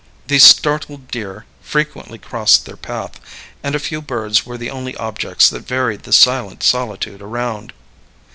The startled deer frequently crossed their path, and a few birds were the only objects that varied the silent solitude around.